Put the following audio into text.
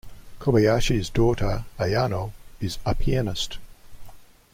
Kobayashi's daughter Ayano, is a pianist.